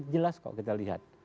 jelas kok kita lihat